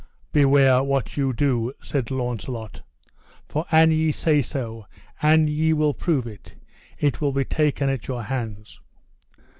Beware what ye do, said Launcelot, for an ye say so, an ye will prove it, it will be taken at your hands.